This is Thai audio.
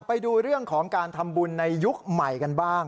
ไปดูเรื่องของการทำบุญในยุคใหม่กันบ้าง